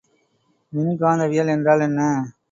மின்காந்தவியல் என்றால் என்ன?